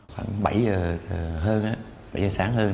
khoảng bảy giờ sáng hơn